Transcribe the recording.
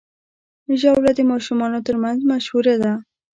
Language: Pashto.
ژاوله د ماشومانو ترمنځ مشهوره ده.